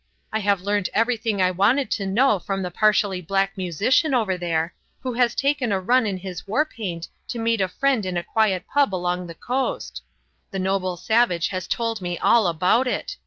I have learnt everything I wanted to know from the partially black musician over there, who has taken a run in his war paint to meet a friend in a quiet pub along the coast the noble savage has told me all about it.